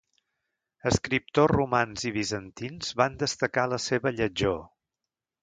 Escriptors romans i bizantins van destacar la seva lletjor.